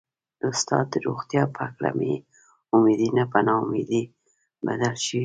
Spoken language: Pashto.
د استاد د روغتيا په هکله مې امېدونه په نا اميدي بدل شوي وو.